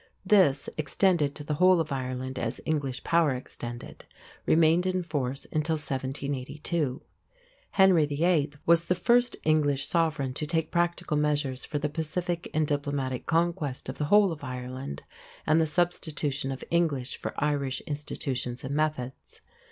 This, extended to the whole of Ireland as English power extended, remained in force until 1782. Henry VIII. was the first English sovereign to take practical measures for the pacific and diplomatic conquest of the whole of Ireland and the substitution of English for Irish institutions and methods.